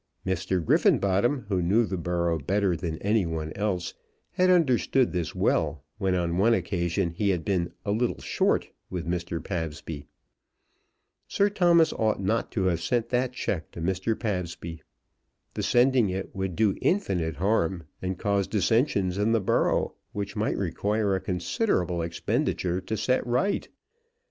Mr. Griffenbottom, who knew the borough better than any one else, had understood this well when on one occasion he had been "a little short" with Mr. Pabsby. Sir Thomas ought not to have sent that cheque to Mr. Pabsby. The sending it would do infinite harm, and cause dissensions in the borough, which might require a considerable expenditure to set right.